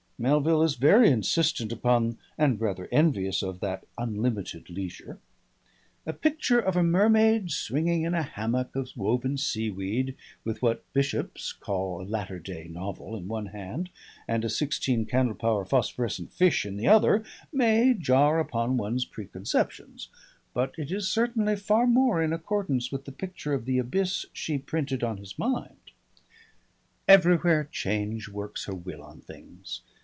Melville is very insistent upon and rather envious of that unlimited leisure. A picture of a mermaid swinging in a hammock of woven seaweed, with what bishops call a "latter day" novel in one hand and a sixteen candle power phosphorescent fish in the other, may jar upon one's preconceptions, but it is certainly far more in accordance with the picture of the abyss she printed on his mind. Everywhere Change works her will on things.